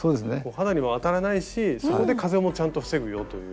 肌にも当たらないしそこでちゃんと風も防ぐよという。